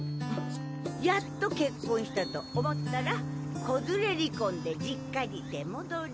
やっと結婚したと思ったら子連れ離婚で実家に出戻り。